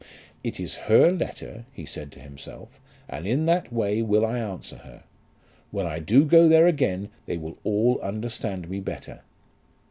"It is her letter," he said to himself, "and in that way will I answer her. When I do go there again they will all understand me better."